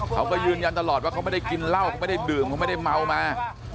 เขาก็ยืนยันตลอดว่าเขาไม่ได้กินเหล้าเขาไม่ได้ดื่มเขาไม่ได้เมามา